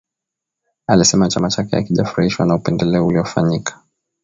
Alisema chama chake hakijafurahishwa na upendeleo uliofanyika